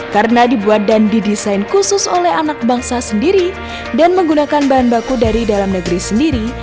karena dibuat dan didesain khusus oleh anak bangsa sendiri dan menggunakan bahan baku dari dalam negeri sendiri